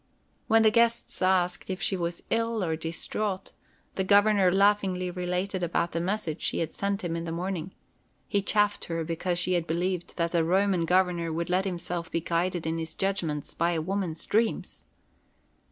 When the guests asked if she was ill or distraught, the Governor laughingly related about the message she had sent him in the morning. He chaffed her because she had believed that a Roman governor would let himself be guided in his judgments by a woman's dreams.